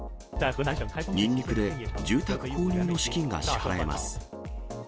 ニンニクで住宅購入の資金が支払えます。